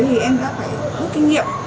thì em đã có kinh nghiệm